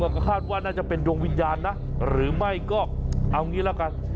ก็คาดว่าน่าจะเป็นดวงวิญญาณนะหรือไม่ก็เอางี้ละกัน